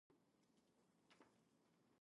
I can't bloody well walk.